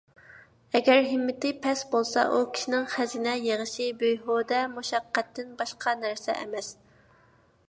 ئەگەر ھىممىتى پەس بولسا، ئۇ كىشىنىڭ خەزىنە يىغىشى بىھۇدە مۇشەققەتتىن باشقا نەرسە ئەمەس.